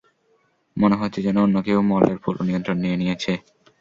মনে হচ্ছে যেনো অন্য কেউ মলের পুরো নিয়ন্ত্রণ নিয়ে নিয়েছে।